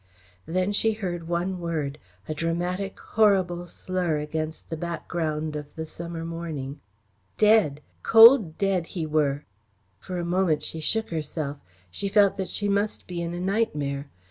Then she heard one word a dramatic, horrible slur against the background of the summer morning. "Dead! Cold dead he were!" For a moment she shook herself. She felt that she must be in a nightmare.